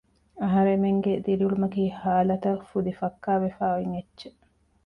އަހަރެމެންގެ ދިރިއުޅުމަކީ ހާލަތަށް ފުދި ފައްކާވެފައި އޮތް އެއްޗެއް